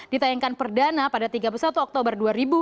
ditayangkan perdana pada tiga puluh satu oktober dua ribu dua puluh